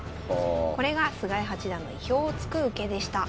これが菅井八段の意表をつく受けでした。